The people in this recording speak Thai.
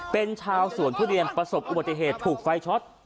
เป็นชาวสวนทุเรียนประสบอุบัติเหตุถูกไฟช็อต